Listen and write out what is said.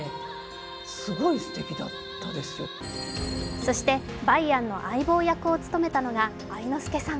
そして梅安の相棒役を務めたのが愛之助さん。